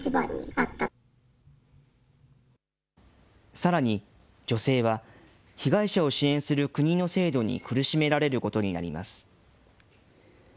さらに、女性は、被害者を支援する国の制度に苦しめられることになります。